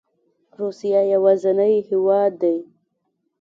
روسیه یوازینی هیواد دی